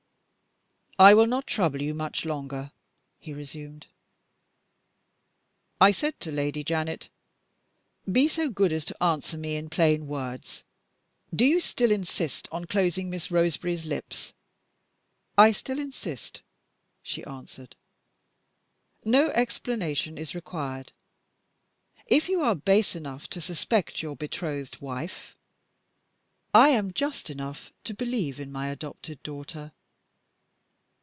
"I will not trouble you much longer," he resumed. "I said to Lady Janet, 'Be so good as to answer me in plain words. Do you still insist on closing Miss Roseberry's lips?' 'I still insist,' she answered. 'No explanation is required. If you are base enough to suspect your betrothed wife, I am just enough to believe in my adopted daughter.